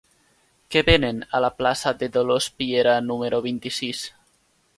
Què venen a la plaça de Dolors Piera número vint-i-sis?